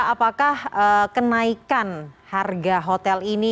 apakah kenaikan harga hotel ini